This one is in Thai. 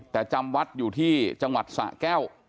แต่จำวัดอยู่ที่จังหวัดสะแก้ว